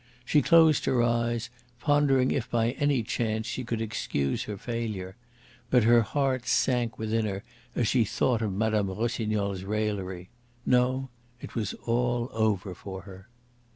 She closed her eyes, pondering if by any chance she could excuse her failure. But her heart sank within her as she thought of Mme. Rossignol's raillery. No, it was all over for her.